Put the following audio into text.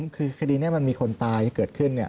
คือคดีนี้มันมีคนตายเกิดขึ้นเนี่ย